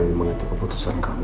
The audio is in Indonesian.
ya kalo ini mengerti keputusan kamu